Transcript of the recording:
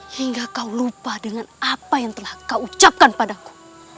hingga kau lupa dengan apa yang telah kau ucapkan padaku